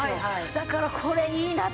だからこれいいなと思ってます。